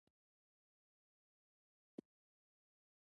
ازادي راډیو د د کانونو استخراج د ستونزو حل لارې سپارښتنې کړي.